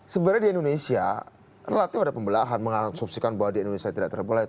sebenarnya di indonesia relatif ada pembelahan mengasumsikan bahwa di indonesia tidak terbelah